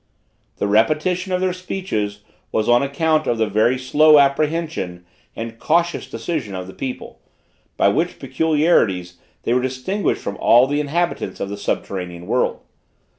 The repetition of their speeches was on account of the very slow apprehension and cautious decision of the people, by which peculiarities they were distinguished from all the inhabitants of the subterranean world.